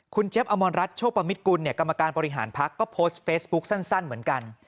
เจี๊บอมรรัฐโชคประมิตกุลกรรมการบริหารพักก็โพสต์เฟซบุ๊คสั้นเหมือนกัน